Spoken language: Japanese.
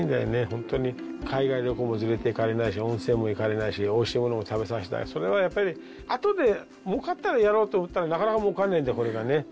本当に、海外旅行も連れていかれないし、温泉も行かれないし、おいしいものも食べさせてあげられない、それはあとでもうかったらやろうと思ったのに、なかなかもうかんないんだよ、これがね。